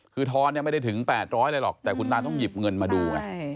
คือทอนเนี่ยไม่ได้ถึง๘๐๐อะไรหรอกแต่คุณตาต้องหยิบเงินมาดูไง